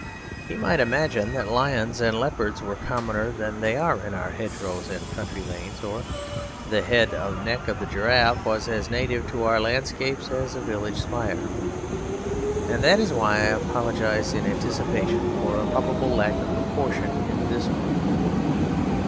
He might imagine that lions and leopards were commoner than they are in our hedgerows and country lanes, or that the head and neck of a giraffe was as native to our landscapes as a village spire. And that is why I apologise in anticipation for a probable lack of proportion in this work.